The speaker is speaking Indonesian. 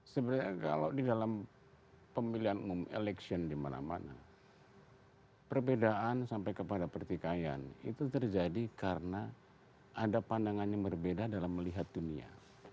sebenarnya kalau di dalam pemilihan umum election di mana mana perbedaan sampai kepada pertikaian itu terjadi karena ada pandangan yang berbeda dalam melihat dunia